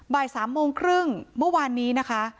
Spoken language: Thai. บ่าย๓โมงครึ่งเมื่อวานนี้นะคะ